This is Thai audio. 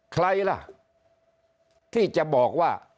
ใครล่ะที่จะบอกว่า